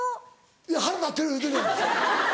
いや腹立ってる言うてるやん。